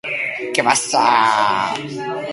Biak epailearen aurrera eramango dituzte astearte honetan.